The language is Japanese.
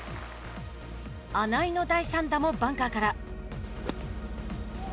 穴井の第３打もバンカーから。